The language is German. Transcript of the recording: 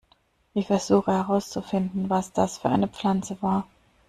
Ich versuche, herauszufinden, was das für eine Pflanze war.